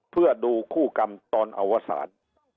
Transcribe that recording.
เพื่อดูคู่กรรมตอนอวสาร